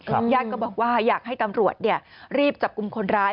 ญาติก็บอกว่าอยากให้ตำรวจรีบจับกลุ่มคนร้าย